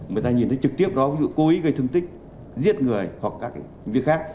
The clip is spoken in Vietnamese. người ta nhìn thấy trực tiếp đó ví dụ cố ý gây thương tích giết người hoặc các việc khác